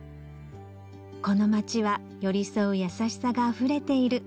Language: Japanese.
この街は寄り添う優しさがあふれている